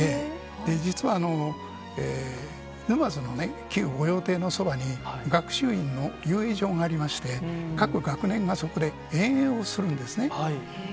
実は、沼津の旧御用邸のそばに、学習院の遊泳場がありまして、各学年がそこで遠泳をするんですね。